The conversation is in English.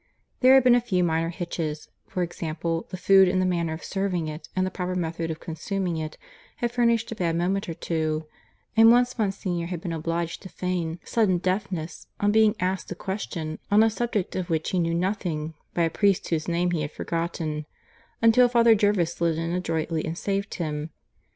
There had been a few minor hitches; for example, the food and the manner of serving it and the proper method of consuming it had furnished a bad moment or two; and once Monsignor had been obliged to feign sudden deafness on being asked a question on a subject of which he knew nothing by a priest whose name he had forgotten, until Father Jervis slid in adroitly and saved him.